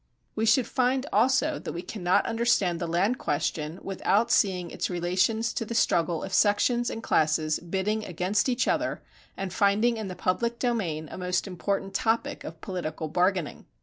We should find also that we cannot understand the land question without seeing its relations to the struggle of sections and classes bidding against each other and finding in the public domain a most important topic of political bargaining.